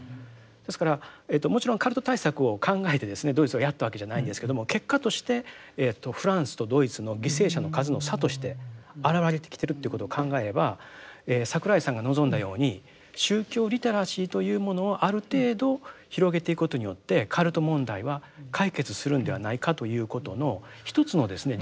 ですからもちろんカルト対策を考えてですねドイツはやったわけじゃないんですけども結果としてフランスとドイツの犠牲者の数の差として表れてきてるということを考えれば櫻井さんが望んだように宗教リテラシーというものをある程度広げていくことによってカルト問題は解決するんではないかということの一つのですね